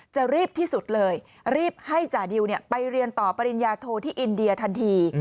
จะรีบที่สุดเลยรีบให้จ่าดิวไปเรียนต่อปริญญาโทที่อินเดียทันที